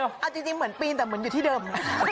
เอาจริงเหมือนปีนแต่เหมือนอยู่ที่เดิม